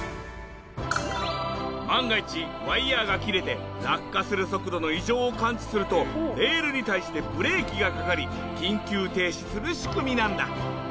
万が一ワイヤーが切れて落下する速度の異常を感知するとレールに対してブレーキがかかり緊急停止する仕組みなんだ。